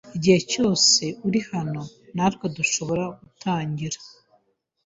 Igihe cyose uri hano, natwe dushobora gutangira.